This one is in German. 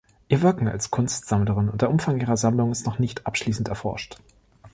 Ihr Wirken als Kunstsammlerin und der Umfang ihrer Sammlung ist noch nicht abschließend erforscht.